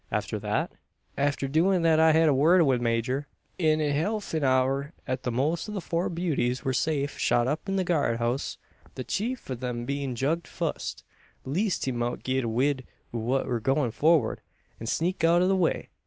"After that?" "Arter doin' thet I hed a word wi' the major; an in helf an hour at the most the four beauties wur safe shot up in the guardhouse the chief o' 'em bein' jugged fust, leest he mout get wind o' what wur goin' forrard, an sneak out o' the way.